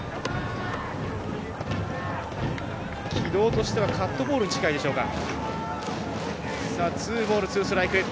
軌道としてはカットボールに近いでしょうか。